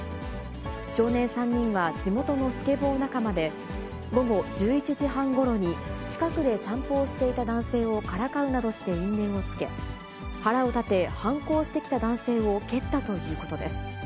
少年３人は地元のスケボー仲間で、午後１１時半ごろに近くで散歩をしていた男性をからかうなどして因縁をつけ、腹を立て反抗してきた男性を蹴ったということです。